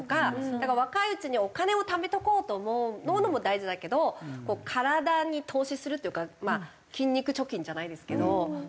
だから若いうちにお金をためとこうと思うのも大事だけど体に投資するというか筋肉貯金じゃないですけど元気を保って。